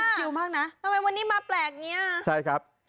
ทำไมวันนี้มาแปลกแบบนี้